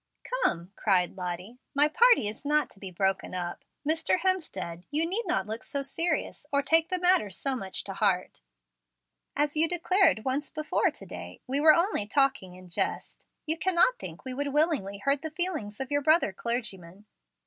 "Come," cried Lottie, "my party is not to be broken up. Mr. Hemstead, you need not look so serious or take the matter so much to heart. As you declared once before to day, we were only 'talking in jest.' You cannot think we would willingly hurt the feelings of your brother clergyman.